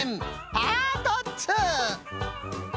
パート２！